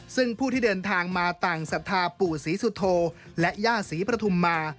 ซึ่งผู้ที่เดินทางมาต่างศรัทธาปู่ศรีสุโธและย่าศรีปฐุมมา